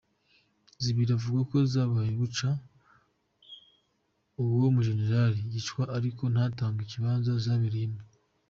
Zibiri avuga ko zabaye buca uwo mu general yicwa ariko ntatanga ikibanza zabereyemwo.